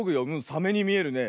サメにみえるね。